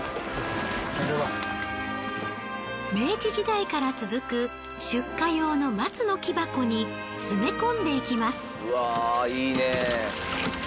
明治時代から続く出荷用の松の木箱に詰め込んでいきます。